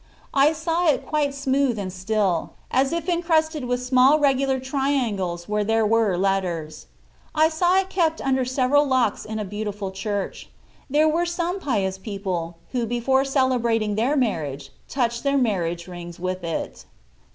I saw it quite smooth and still, as if encrusted with small regular tri angles where there were letters. I saw it kept under several locks in a beautiful church there were some pious people, who before celebrating their marriage touched their marriage rings with it.